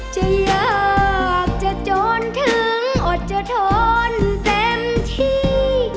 จะอยากจะจนถึงอดจะทนเต็มที่